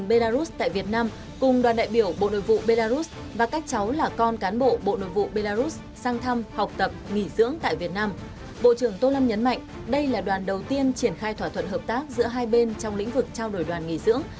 bộ trưởng tô lâm nhấn mạnh đây là đoàn đầu tiên triển khai thỏa thuận hợp tác giữa hai bên trong lĩnh vực trao đổi đoàn nghỉ dưỡng